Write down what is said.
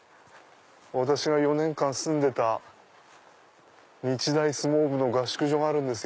私が４年間住んでた日大相撲部の合宿所があるんです。